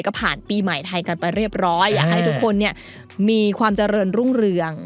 ก็ผ่านปีใหม่ไทยกันไปเรียบร้อยอยากให้ทุกคนเนี่ยมีความเจริญรุ่งเรือง